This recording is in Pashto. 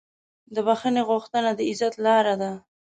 د بښنې غوښتنه د عزت لاره ده.